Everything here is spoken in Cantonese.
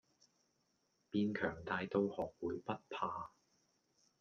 變強大到學會不怕